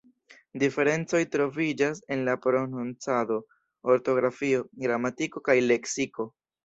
Diferencoj troviĝas en la prononcado, ortografio, gramatiko kaj leksiko.